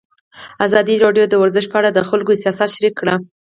ازادي راډیو د ورزش په اړه د خلکو احساسات شریک کړي.